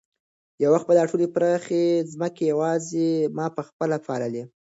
یو وخت به دا ټولې پراخې ځمکې یوازې ما په خپله پاللې.